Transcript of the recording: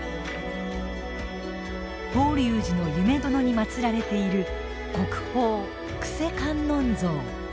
法隆寺の夢殿に祭られている国宝救世観音像。